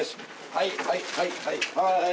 はいはいはいはいはーい。